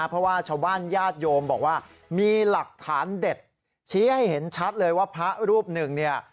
เพราะว่าชาวบ้านญาติโยมบอกว่ามีหลักฐานเด็ดชี้ให้เห็นชัดเลยว่าพระรูปหนึ่งเนี่ย